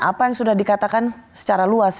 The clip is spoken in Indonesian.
apa yang sudah dikatakan secara luas